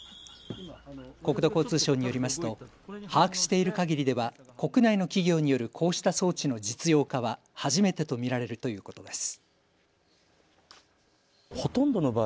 国土交通省によりますと把握しているかぎりでは国内の企業によるこうした装置の実用化は初めてと見られるということです。